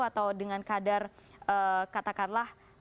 atau dengan kadar katakanlah